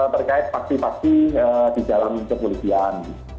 terkait pakti pakti di dalam kepolisian